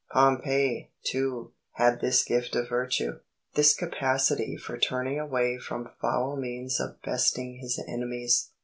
Pompey, too, had this gift of virtue this capacity for turning away from foul means of besting his enemies.